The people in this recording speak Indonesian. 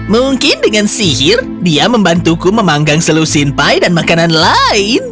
mungkin dengan sihir dia membantuku memanggang selusin pie dan makanan lain